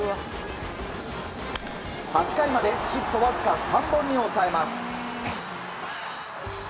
８回までヒットわずか３本に抑えます。